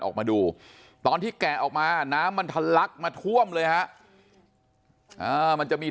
ออกมาดูตอนที่แกะออกมาน้ำมันทะลักมาท่วมเลยฮะมันจะมี